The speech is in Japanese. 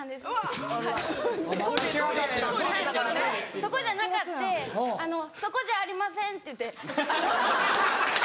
そこじゃなかって「そこじゃありません」って言うて。